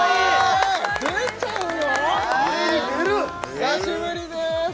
ひさしぶりです